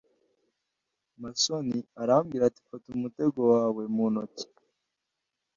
mason arambwira ati fata umutego wawe mu ntoki